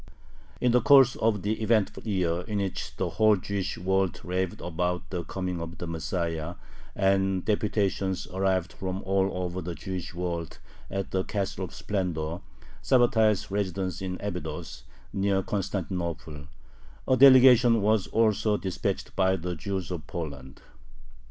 In the course of the eventful year in which the whole Jewish world raved about the coming of the Messiah and deputations arrived from all over the Jewish world at the "Castle of Splendor," Sabbatai's residence in Abydos, near Constantinople, a delegation was also dispatched by the Jews of Poland.